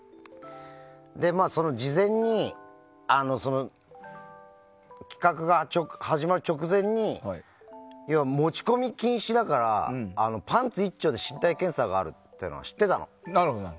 事前に企画が始まる直前に持ち込み禁止だからパンツ一丁で身体検査があるのは知ってたの。